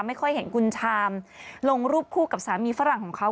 ไม่ค่อยเห็นคุณชามลงรูปคู่กับสามีฝรั่งของเขา